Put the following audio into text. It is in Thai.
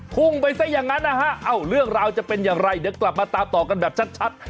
พุ่งไปซะอย่างนั้นนะฮะเอ้าเรื่องราวจะเป็นอย่างไรเดี๋ยวกลับมาตามต่อกันแบบชัด